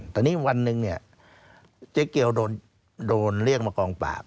แต่วันหนึ่งเจ๊เกี๊ยวโดนเรียกมากองปาก